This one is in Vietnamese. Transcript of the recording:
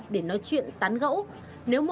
để nói chuyện tán gẫu